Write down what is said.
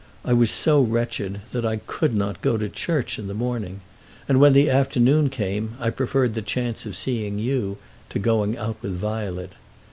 I was so wretched that I could not go to church in the morning; and when the afternoon came, I preferred the chance of seeing you to going out with Violet.